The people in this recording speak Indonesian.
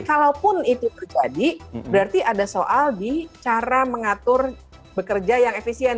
kalaupun itu terjadi berarti ada soal di cara mengatur bekerja yang efisien